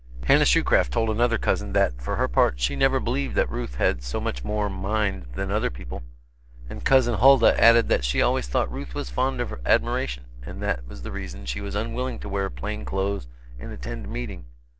Hannah Shoecraft told another cousin that, for her part, she never believed that Ruth had so much more "mind" than other people; and Cousin Hulda added that she always thought Ruth was fond of admiration, and that was the reason she was unwilling to wear plain clothes and attend Meeting.